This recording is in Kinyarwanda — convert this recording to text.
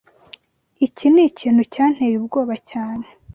Iki nikintu cyanteye ubwoba cyane.